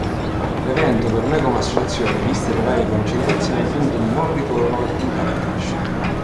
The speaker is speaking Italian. L'evento per noi come associazione, viste le varie coincidenze, è un punto di non ritorno per puntare a crescere.